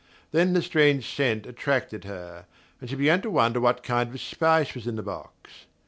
Then the strange scent attracted her and she began to wonder what kind of spice was in the box.